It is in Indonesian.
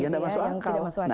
yang tidak masuk akal